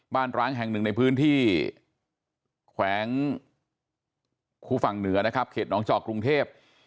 ร้างแห่งหนึ่งในพื้นที่แขวงคู่ฝั่งเหนือนะครับเขตน้องจอกกรุงเทพ